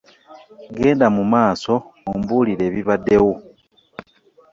Genda mu maaso ombuulire ebibaddewo.